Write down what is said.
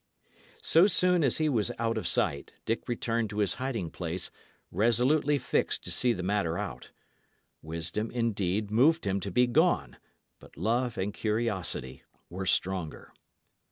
So soon as he was out of sight, Dick returned to his hiding place, resolutely fixed to see the matter out. Wisdom, indeed, moved him to be gone; but love and curiosity were stronger.